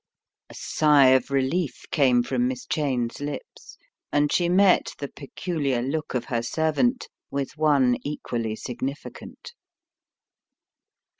A sigh of relief came from Miss Cheyne's lips and she met the peculiar look of her servant with one equally significant.